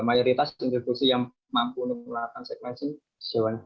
pasti ada yang bisa mengirimkan sekuens di jawa